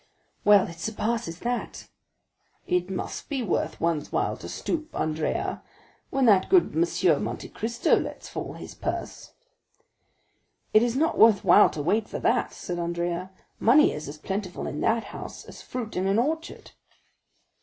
"Well, it surpasses that." "It must be worth one's while to stoop, Andrea, when that good M. Monte Cristo lets fall his purse." "It is not worthwhile to wait for that," said Andrea; "money is as plentiful in that house as fruit in an orchard."